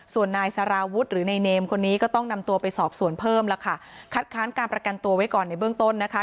ส่วนนายสารวุฒิหรือนายเนมคนนี้ก็ต้องนำตัวไปสอบสวนเพิ่มแล้วค่ะคัดค้านการประกันตัวไว้ก่อนในเบื้องต้นนะคะ